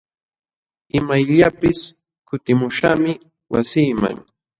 Imayllapis kutimuśhaqmi wasiiman.